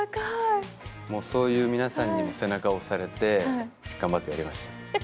そういう皆さんにも背中を押されて頑張れました。